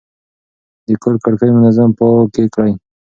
د کور کړکۍ منظم پاکې کړئ.